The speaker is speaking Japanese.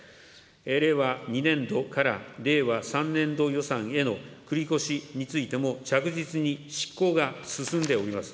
令和２年度から令和３年度予算への繰り越しについても、着実に執行が進んでおります。